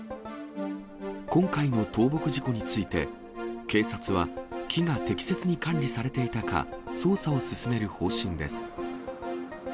今回の倒木事故について、警察は、木が適切に管理されていたか捜査を進める方針です。